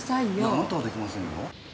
あなたはできませんよ。